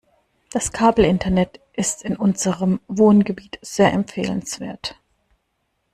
Das Kabelinternet ist in unserem Wohngebiet sehr empfehlenswert.